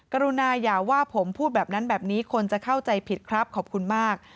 กรุณาอย่าว่าผมพูดแบบนั้นแบบนี้คนจะเข้าใจผิดครับขอบคุณมาก